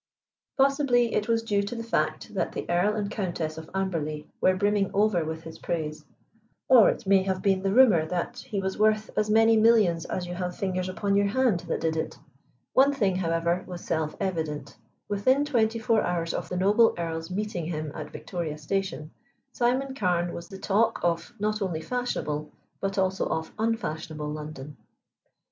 Possibly it was due to the fact that the Earl and Countess of Amberley were brimming over with his praise, or it may have been the rumor that he was worth as many millions as you have fingers upon your hand that did it; one thing, however, was self evident, within twenty four hours of the noble earl's meeting him at Victoria Station, Simon Carne was the talk, not only fashionable, but also of unfashionable London.